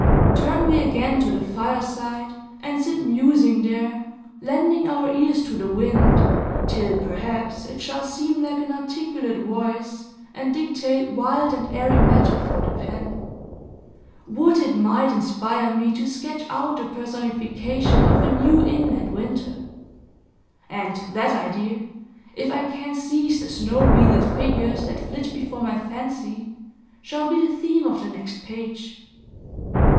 Turn we again to the fireside, and sit musing there, lending our ears to the wind, till perhaps it shall seem like an articulate voice, and dictate wild and airy matter for the pen. Would it might inspire me to sketch out the personification of a New England winter! And that idea, if I can seize the snow wreathed figures that flit before my fancy, shall be the theme of the next page.